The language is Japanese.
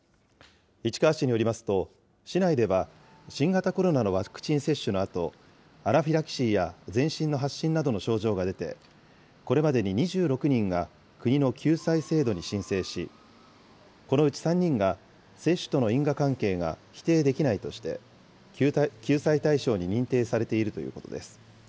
市川市によりますと、市内では新型コロナのワクチン接種のあと、アナフィラキシーや全身の発疹などの症状が出て、これまでに２６人が国の救済制度に申請し、このうち３人が接種との因果関係が否定できないとして、救済対象に認定されているということです。